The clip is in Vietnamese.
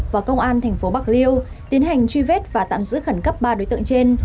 và công an tp bạc liêu tiến hành truy vết và tạm giữ khẩn cấp ba đối tượng trên